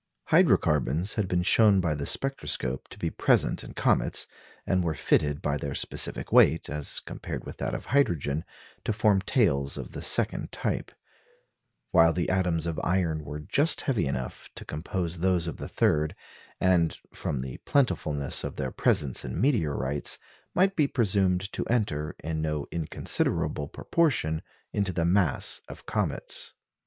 Hydro carbons had been shown by the spectroscope to be present in comets, and were fitted by their specific weight, as compared with that of hydrogen, to form tails of the second type; while the atoms of iron were just heavy enough to compose those of the third, and, from the plentifulness of their presence in meteorites, might be presumed to enter, in no inconsiderable proportion, into the mass of comets.